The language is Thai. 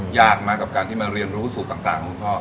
หยั่งมากกับการเรียนรู้สูตรของพ่อ